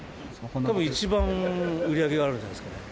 たぶん一分売り上げがあるんじゃないですかね。